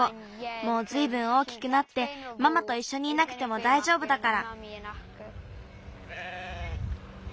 もうずいぶん大きくなってママといっしょにいなくてもだいじょうぶだから。